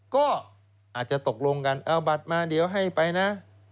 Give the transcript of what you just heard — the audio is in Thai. ก็อาจจะตกลงกันเอาบัตรมาเดี๋ยวให้ไปนะ